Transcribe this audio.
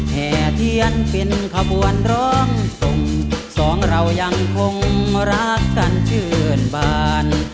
แห่เทียนเป็นขบวนร้องส่งสองเรายังคงรักกันชื่นบาน